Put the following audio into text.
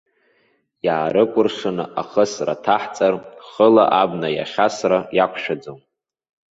Иаарыкәыршаны ахысра ҭаҳҵар, хыла абна иахьасра иақәшәаӡом.